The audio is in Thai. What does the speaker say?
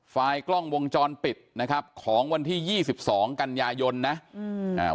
ไฟล์กล้องวงจรปิดนะครับของวันที่๒๒กันยายนนะอืม